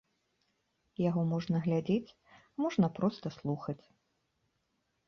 Яго можна глядзець, а можна проста слухаць.